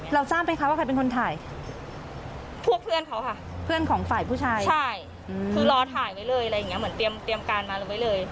ทราบไหมคะว่าใครเป็นคนถ่ายพวกเพื่อนเขาค่ะเพื่อนของฝ่ายผู้ชายใช่คือรอถ่ายไว้เลยอะไรอย่างเงี้เหมือนเตรียมการมาไว้เลย